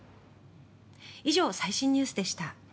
以上、最新ニュースでした。